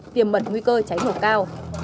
tiềm mật nguy cơ cháy nổ cao